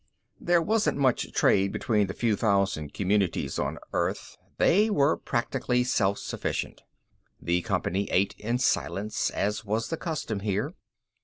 There wasn't much trade between the few thousand communities of Earth; they were practically self sufficient. The company ate in silence, as was the custom here.